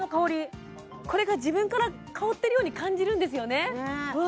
これが自分から香ってるように感じるんですよねわ